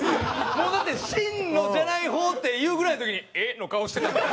もうだって「真のじゃない方」って言うぐらいの時に「えっ？」の顔してたもん。